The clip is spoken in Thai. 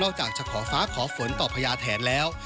จากจะขอฟ้าขอฝนต่อพญาแถนแล้ว